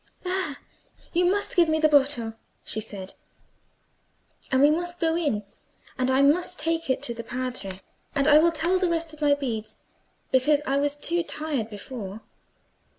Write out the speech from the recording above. "Ah, you must give me the boto," she said; "and we must go in, and I must take it to the Padre, and I must tell the rest of my beads, because I was too tired before."